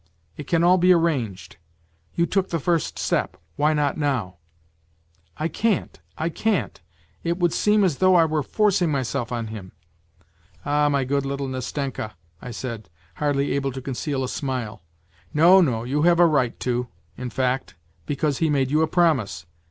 It can all be arranged ! You took the first step why not now ?"" I can't. I can't ! It would seem as though I were forcing myself on him. ..."" Ah, my good little Nastenka," I said, hardly able to conceal a smile ;" no, no, you have a right to, in fact, because he made you a promise.